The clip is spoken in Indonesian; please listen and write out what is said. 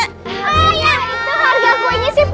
eh ya itu harga kuenya sih rp sepuluh